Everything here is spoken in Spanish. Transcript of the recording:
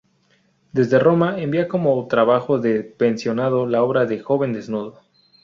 Desde Roma envía como trabajo de pensionado la obra de "Joven desnudo".